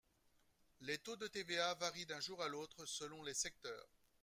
Les taux de TVA varient d’un jour à l’autre selon les secteurs.